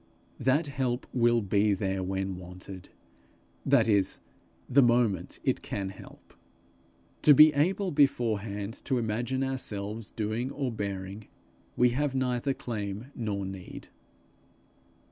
That help will be there when wanted that is, the moment it can be help. To be able beforehand to imagine ourselves doing or bearing, we have neither claim nor need.